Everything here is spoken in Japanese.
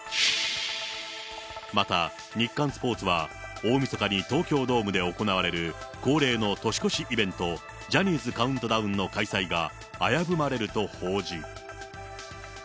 また日刊スポーツは、大みそかに東京ドームで行われる、恒例の年越しイベント、ジャニーズカウントダウンの開催が危ぶまれると報じ。